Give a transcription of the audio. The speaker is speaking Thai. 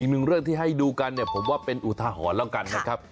หนึ่งเรื่องที่ให้ดูกันเนี่ยผมว่าเป็นอุทหรณ์แล้วกันนะครับ